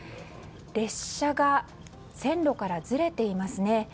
列車が線路からずれていますね。